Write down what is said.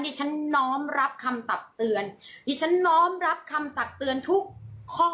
ดิฉันน้อมรับคำตักเตือนดิฉันน้อมรับคำตักเตือนทุกข้อ